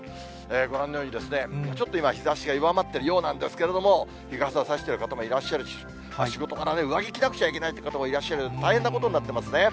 ご覧のように、ちょっと今、日ざしが弱まってるようなんですけれども、日傘、差している方もいらっしゃるし、仕事柄、上着着なきゃいけないという方もいらっしゃる、大変なことになってますね。